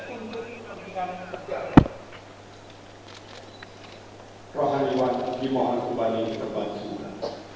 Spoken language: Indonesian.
untuk kepentingan negara